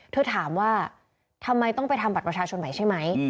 เธอถามว่าทำไมต้องไปทำบัตรประชาชนใหม่ใช่ไหม